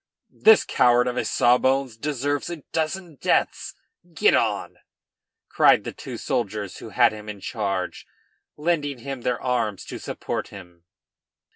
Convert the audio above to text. "This coward of a sawbones deserves a dozen deaths! Get on!" cried the two soldiers who had him in charge, lending him their arms to support him.